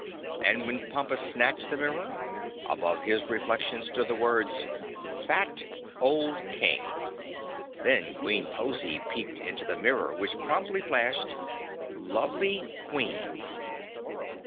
And when Pompus snatched the mirror, above his reflection stood the words: Fat Old King. Then Queen Pozy peeped into the mirror, which promptly flashed: Lovely Queen.